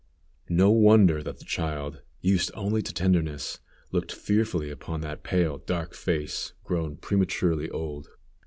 No wonder that the child, used only to tenderness, looked fearfully upon that pale, dark face, grown prematurely old.